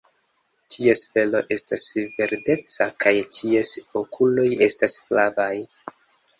Ties felo estas verdeca kaj ties okuloj estas flavaj.